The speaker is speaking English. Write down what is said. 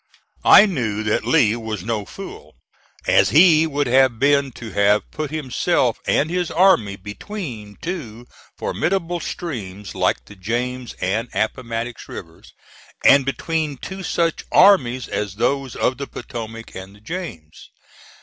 I knew that Lee was no fool, as he would have been to have put himself and his army between two formidable streams like the James and Appomattox rivers, and between two such armies as those of the Potomac and the James.